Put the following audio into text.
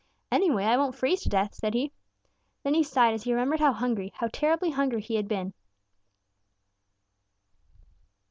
"'Anyway, I won't freeze to death,' said he. Then he sighed as he remembered how hungry, how terribly hungry he had been.